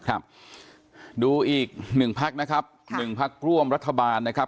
ครับดูอีกหนึ่งพักนะครับหนึ่งพักร่วมรัฐบาลนะครับ